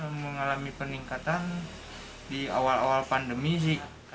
mengalami peningkatan di awal awal pandemi sih